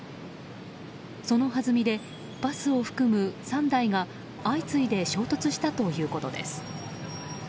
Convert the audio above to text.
そのはずみでバスを含む３台が相次いで衝突したということです。